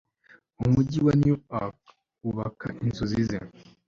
umujyi wa newark wubaka inzozi ze